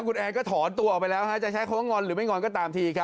แล้วคุณแอร์ก็ถอนตัวออกไปแล้วฮะจะใช้เขางอนหรือไม่งอนก็ตามทีครับ